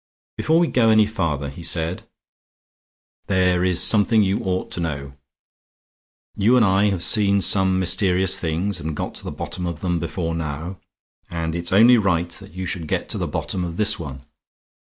"Before we go any farther," he said, "there is something you ought to know. You and I have seen some mysterious things and got to the bottom of them before now; and it's only right that you should get to the bottom of this one.